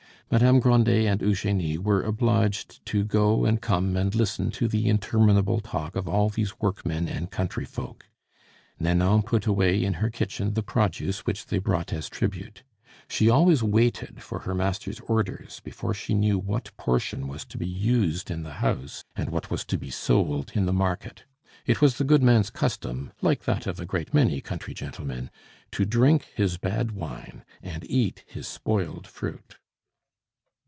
Madame Grandet and Eugenie were obliged to go and come and listen to the interminable talk of all these workmen and country folk. Nanon put away in her kitchen the produce which they brought as tribute. She always waited for her master's orders before she knew what portion was to be used in the house and what was to be sold in the market. It was the goodman's custom, like that of a great many country gentlemen, to drink his bad wine and eat his spoiled fruit.